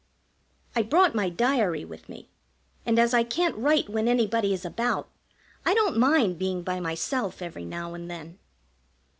I brought my diary with me, and as I can't write when anybody is about, I don't mind being by myself every now and then.